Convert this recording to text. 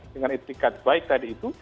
dengan etikat baik tadi itu